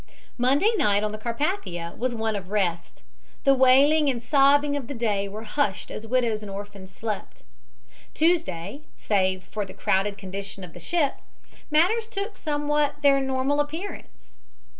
Monday night on the Carpathia was one of rest. The wailing and sobbing of the day were hushed as widows and orphans slept. Tuesday, save for the crowded condition of the ship, matters took somewhat their normal appearance.